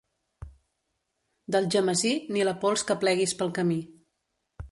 D'Algemesí, ni la pols que pleguis pel camí.